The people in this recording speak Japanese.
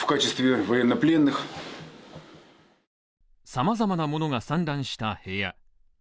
さまざまなものが散乱した部屋。